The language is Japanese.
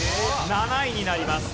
７位になります。